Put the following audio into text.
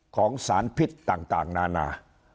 ของสารพิษต่างนานา